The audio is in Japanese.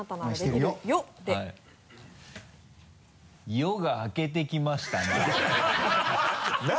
「夜が明けてきましたなぁ」